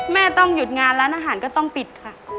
แม่ต้องหยุดงานร้านอาหารก็ต้องปิดค่ะ